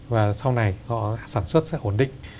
và sau này họ sản xuất sẽ ổn định